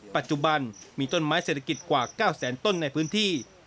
ปัจจุบันมีต้นไม้เศรษฐกิจกว่า๙แสนต้นในพื้นที่